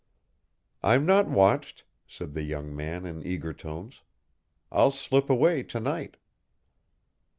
"I'm not watched," said the young man in eager tones; "I'll slip away to night."